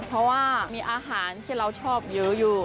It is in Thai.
เพราะว่ามีอาหารที่เราชอบเยอะอยู่